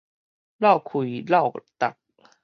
落氣落觸